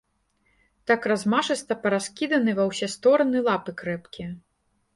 Так размашыста параскіданы ва ўсе стораны лапы крэпкія.